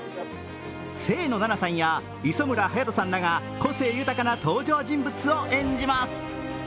清野菜名さんや磯村勇斗さんらが個性豊かな登場人物を演じます。